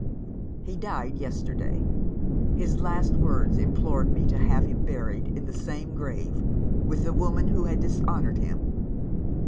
"He died yesterday. His last words implored me to have him buried in the same grave with the woman who had dishonoured him.